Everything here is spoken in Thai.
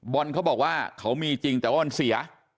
บอลเขาบอกว่าเขามีจริงแต่เรื่องเสีย